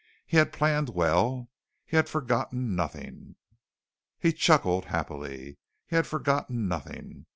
He had planned well. He had forgotten nothing. He chuckled happily. He had forgotten nothing.